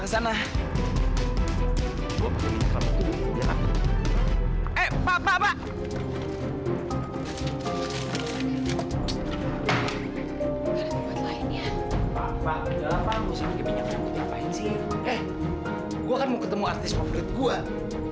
eh gue kan mau ketemu artis populer gue